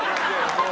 もう。